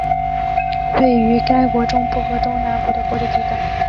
位于该国中部和东南部的过渡地带。